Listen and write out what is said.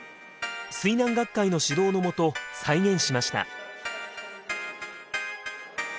水難学会の指導のもと再現しました。